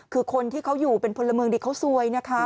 คือคนที่เขาอยู่เป็นพลเมืองดีเขาซวยนะคะ